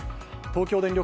東京電力